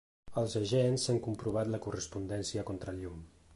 Els agents han comprovat la correspondència a contrallum.